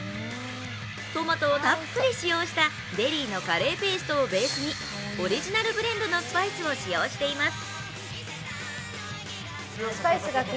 トマトをたっぷり使用したデリーのカレーペーストをベースにオリジナルブレンドのスパイスを使用しています。